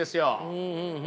うんうん。